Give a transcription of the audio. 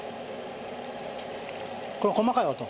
これ細かい音。